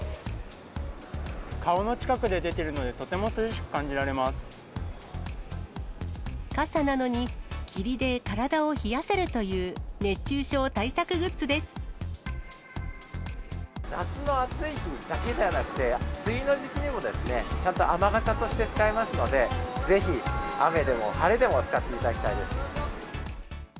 顔の近くで出てるので、傘なのに、霧で体を冷やせる夏の暑い日だけではなくて、梅雨の時期にもちゃんと雨傘として使えますので、ぜひ、雨でも、晴れでも使っていただきたいです。